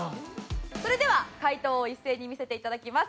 それでは解答を一斉に見せて頂きます。